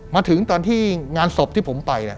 มาถึงตอนที่งานศพที่ผมไป